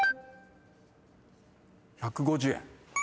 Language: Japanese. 「１５０円」